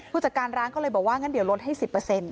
ผู้จัดการร้านก็เลยบอกว่างั้นเดี๋ยวลดให้๑๐